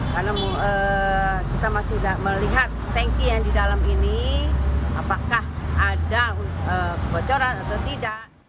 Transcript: karena kita masih tidak melihat tangki yang di dalam ini apakah ada bocoran atau tidak